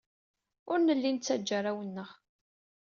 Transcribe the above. Ur nelli nettajja arraw-nneɣ.